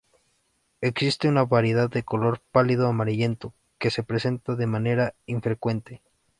Existe una variedad de color pálido amarillento que se presenta de manera infrecuente.